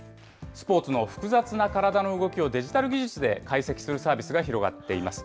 スポーツの複雑な体の動きを、デジタル技術で解析するサービスが広がっています。